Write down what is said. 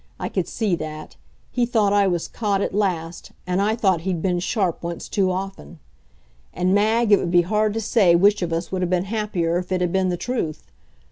I could see that. He thought I was caught at last. And I thought he'd been sharp once too often. And, Mag, it would be hard to say which of us would have been happier if it had been the truth.